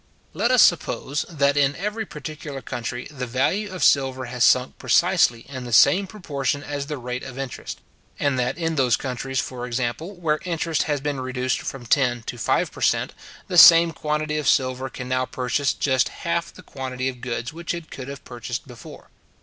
Let us suppose, that in every particular country the value of silver has sunk precisely in the same proportion as the rate of interest; and that in those countries, for example, where interest has been reduced from ten to five per cent. the same quantity of silver can now purchase just half the quantity of goods which it could have purchased before.